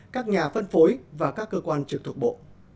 các nhà phân phối và các cơ quan trực thuộc bộ